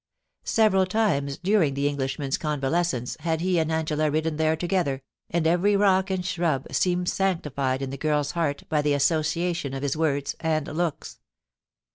Several times during the Englishman's convalescence had he and Angela ridden there together, and every rock and shrub seemed sanctified in the girl's heart by the association of his words and looks.